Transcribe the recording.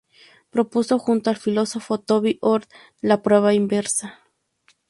Propuso, junto al filósofo Toby Ord, la prueba inversa.